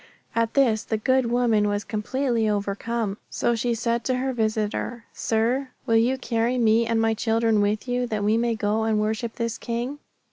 At this the good woman was completely overcome. So she said to her visitor, Sir, will you carry me and my children with you that we may go and worship this King?